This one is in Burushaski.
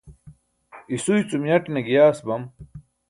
isuy cum yaṭne giyaas bam